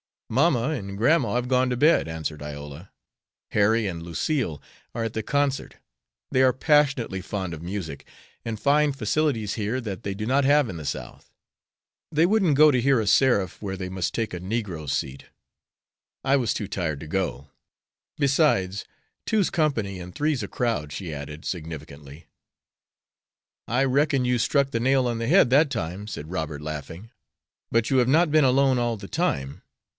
"Mamma and grandma have gone to bed," answered Iola. "Harry and Lucille are at the concert. They are passionately fond of music, and find facilities here that they do not have in the South. They wouldn't go to hear a seraph where they must take a negro seat. I was too tired to go. Besides, 'two's company and three's a crowd,'" she added, significantly. "I reckon you struck the nail on the head that time," said Robert, laughing. "But you have not been alone all the time.